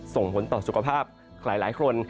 ส่งผลต่อสุขภาพหลายคน